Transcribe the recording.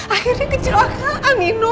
akhirnya kecelakaan nino